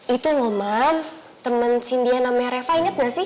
itu ngomong temen si dia namanya reva inget gak sih